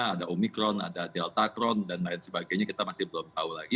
ada omikron ada delta cron dan lain sebagainya kita masih belum tahu lagi